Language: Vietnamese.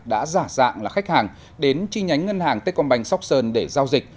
đã giả dạng là khách hàng đến chi nhánh ngân hàng tết còn bành sóc sơn để giao dịch